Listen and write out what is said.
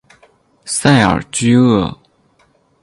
塞尔屈厄。